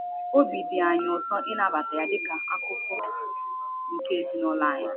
Obi dị anyị ụtọ ị nabata ya dịka akụkụ nke ezinụlọ anyị.